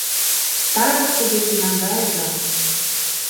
Староста деке наҥгайыза...